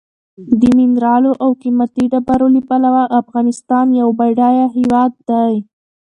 د منرالو او قیمتي ډبرو له پلوه افغانستان یو بډایه هېواد دی.